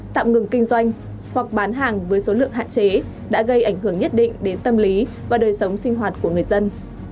tạm ngừng kinh doanh hoặc bán hàng với số lượng hạn chế đã gây ảnh hưởng nhất định đến tâm lý và đời sống sinh hoạt của người dân